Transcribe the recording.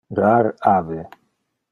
Rar ave.